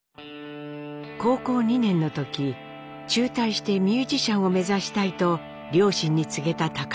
高校２年の時中退してミュージシャンを目指したいと両親に告げた貴教。